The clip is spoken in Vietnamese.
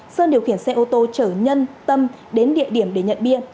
sơn điều khiển xe ô tô chở nhân tâm đến địa điểm để nhận bia